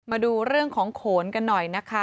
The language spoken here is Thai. มาดูเรื่องของโขนกันหน่อยนะคะ